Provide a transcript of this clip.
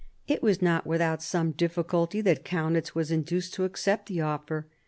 It was not without some difficulty that Kaunitz was induced to accept the offer.